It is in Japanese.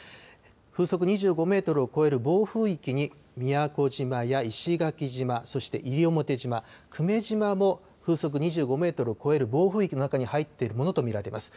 風速２５メートルを超える暴風域に宮古島や石垣島、そして西表島、久米島も風速２５メートルを超える暴風域の中に入っているものと見られます。